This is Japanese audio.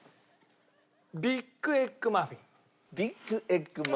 ビッグエッグマフィン。